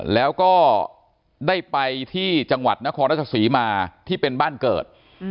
แล้วก็ได้ไปที่จังหวัดนครราชศรีมาที่เป็นบ้านเกิด